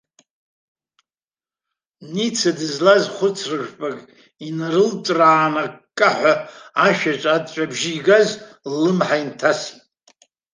Ница дызлаз хәыцра жәпак инарылҵәраан аккаҳәа ашәаҿы аҵәҵәабжьы игаз ллымҳа инҭасит.